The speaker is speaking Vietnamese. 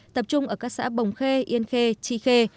tập trung ở các xã bồng khê yên khê tri khê